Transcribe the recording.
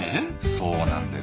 そうなんです。